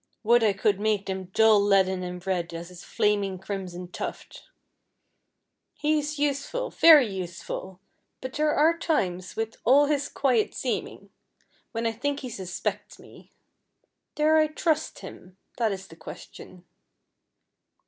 Would I could make them dull leaden and red as his flaming crimson tuft. He is useful, very useful, but there are times, with all his quiet seeming, when I think he suspects me. Dare I trust him? that is the question."